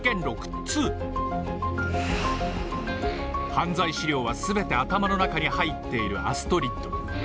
犯罪資料はすべて頭の中に入っているアストリッド。